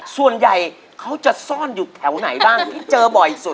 ส่วนใหญ่เขาจะซ่อนอยู่แถวไหนบ้างที่เจอบ่อยสุด